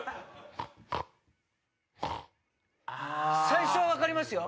最初は分かりますよ。